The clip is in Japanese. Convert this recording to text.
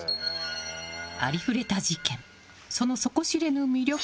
「ありふれた事件」その底知れぬ魅力